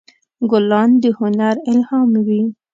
ګلان د هنر الهام وي.